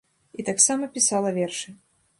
І таксама пісала вершы.